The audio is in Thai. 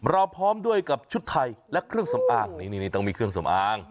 พร้อมด้วยกับชุดไทยและเครื่องสำอางนี่ต้องมีเครื่องสำอาง